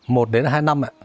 một đến hai năm ạ